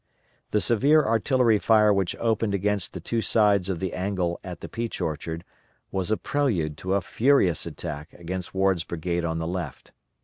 The severe artillery fire which opened against the two sides of the angle at the Peach Orchard was a prelude to a furious attack against Ward's brigade on the left.